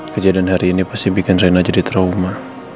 kejadian hari ini pasti bikin reina jadi trauma